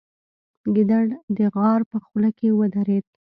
ګیدړه د غار په خوله کې ودرېده.